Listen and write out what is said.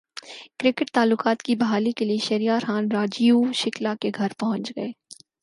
cricket تعلقات کی بحالی کیلئے شہریار خان راجیو شکلا کے گھرپہنچ گئے